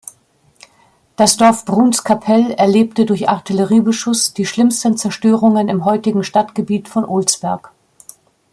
Das Dorf Brunskappel erlebte durch Artilleriebeschuss die schlimmsten Zerstörungen im heutigen Stadtgebiet von Olsberg.